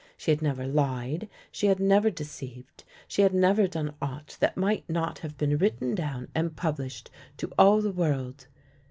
She had never lied, she had never deceived, she had never done aught that might not have been written down and published to all the world.